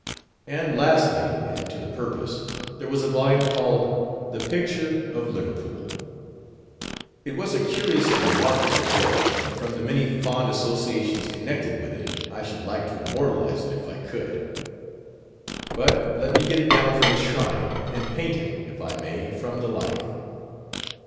_ And lastly, and to the purpose, there was a volume called "THE PICTURE OF LIVERPOOL." It was a curious and remarkable book; and from the many fond associations connected with it, I should like to immortalize it, if I could. But let me get it down from its shrine, and paint it, if I may, from the life.